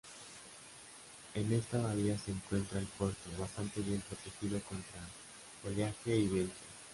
En esta bahía se encuentra el puerto, bastante bien protegido contra oleaje y viento.